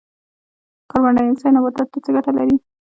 کاربن ډای اکسایډ نباتاتو ته څه ګټه لري؟